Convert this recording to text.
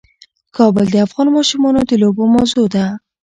کابل د افغان ماشومانو د لوبو موضوع ده.